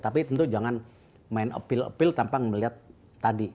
tapi tentu jangan main appeal appeal tanpa melihat tadi